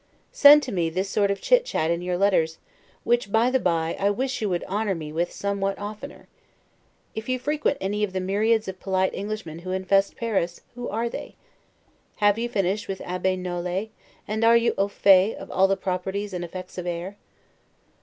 Send to me this sort of chit chat in your letters, which, by the bye, I wish you would honor me with somewhat oftener. If you frequent any of the myriads of polite Englishmen who infest Paris, who are they? Have you finished with Abbe Nolet, and are you 'au fait' of all the properties and effects of air?